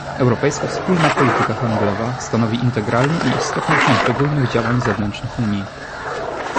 Europejska wspólna polityka handlowa stanowi integralną i istotną część ogólnych działań zewnętrznych Unii